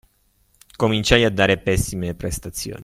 Cominciai a dare pessime prestazioni.